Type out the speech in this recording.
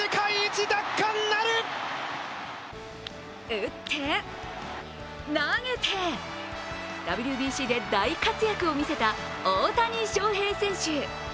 打って、投げて、ＷＢＣで大活躍を見せた大谷翔平選手。